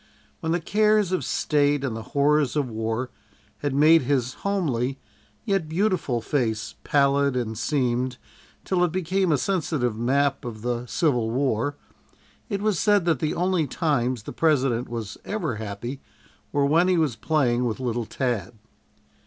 When the cares of State and the horrors of war had made his homely yet beautiful face pallid and seamed, till it became a sensitive map of the Civil War, it was said that the only times the President was ever happy were when he was playing with little Tad.